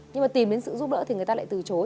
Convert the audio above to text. nhưng mà tìm đến sự giúp đỡ thì người ta lại từ chối